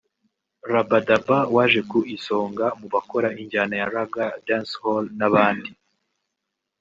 Rabadaba waje ku isonga mu bakora injyana ya Ragga/Dancehall n'abandi